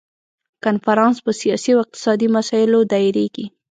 کنفرانس په سیاسي او اقتصادي مسایلو دایریږي.